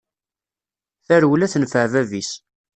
Tarewla tenfeɛ bab-is.